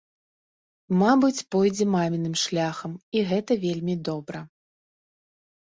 Мабыць, пойдзе маміным шляхам, і гэта вельмі добра.